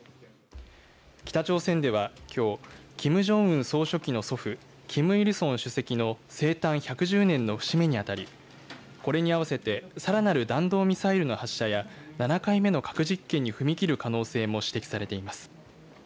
北朝鮮では、きょうキム・ジョンウン総書記の祖父キム・イルソン主席の生誕１１０年の節目に当たりこれに合わせてさらなる弾道ミサイルの発射や７回目の核実験に踏み切る可能性も指摘されています。